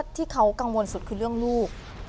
ที่เขากังวลสุดคือเรื่องลูก